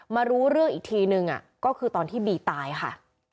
มารู้เรื่องอีกทีนึงก็คือตอนที่บีตายค่ะ